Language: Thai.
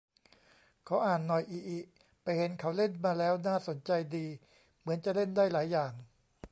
ขออ่านหน่อย อิอิ ไปเห็นเขาเล่นมาแล้วน่าสนใจดี เหมือนจะเล่นได้หลายอย่าง